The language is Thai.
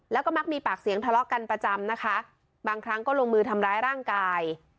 แล้วก็มักมีปากเสียงทะเลาะกันประจำนะคะบางครั้งก็ลงมือทำร้ายร่างกาย